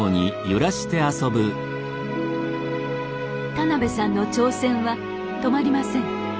田邉さんの挑戦は止まりません。